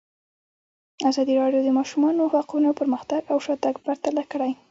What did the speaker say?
ازادي راډیو د د ماشومانو حقونه پرمختګ او شاتګ پرتله کړی.